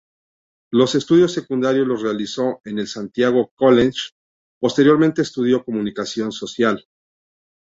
Los estudios secundarios los realizó en el Santiago College; posteriormente estudió Comunicación Social.